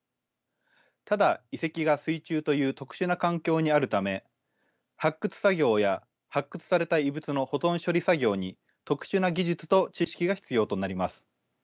ただ遺跡が水中という特殊な環境にあるため発掘作業や発掘された遺物の保存処理作業に特殊な技術と知識が必要となります。